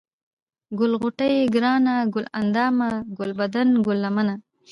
ګل غوټۍ ، گرانه ، گل اندامه ، گلبدنه ، گل لمنه ،